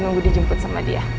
nunggu dijemput sama dia